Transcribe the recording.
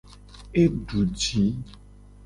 E du ji.